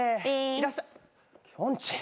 いらっしゃきょんちぃ。